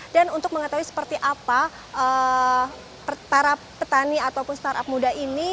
dan untuk mengetahui seperti apa para petani ataupun startup muda ini